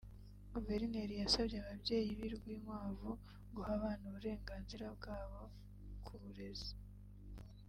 Guverineri yasabye ababyeyi b’i Rwinkwavu guha abana uburenganzira bwa bo ku burezi